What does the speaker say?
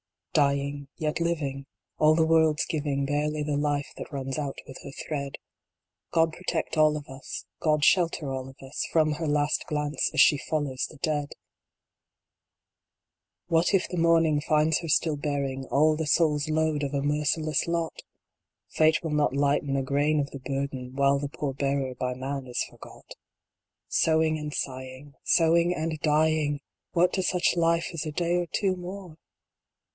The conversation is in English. Dying, yet living : All the world s giving Barely the life that runs out with her thread. God protect all of us God shelter all of us From her last glance, as she follows the Dead ! IV. What if the morning finds her still bearing All the soul s load of a merciless lot ! Fate will not lighten a grain of the burden While the poor bearer by man is forgot Sewing and sighing ! Sewing and dying ! What to such life is a day or two more